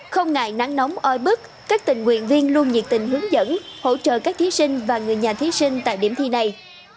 không ngại nắng nóng oi bức các tình nguyện viên luôn nhiệt tình hướng dẫn hỗ trợ các thí sinh và người nhà thí sinh tại điểm thi này